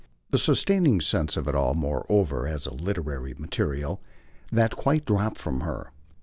The sustaining sense of it all moreover as literary material that quite dropped from her.